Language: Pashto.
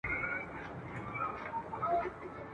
شېبه شېبه تر زلمیتوبه خو چي نه تېرېدای ..